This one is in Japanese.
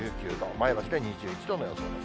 前橋で２１度の予想です。